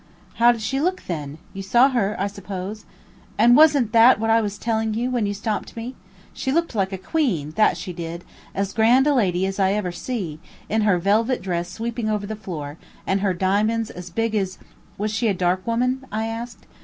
"How did she look then? You saw her I suppose?" "And was'nt that what I was telling you, when you stopped me. She looked like a queen, that she did; as grand a lady as ever I see, in her velvet dress sweeping over the floor, and her diamonds as big as " "Was she a dark woman?" I asked.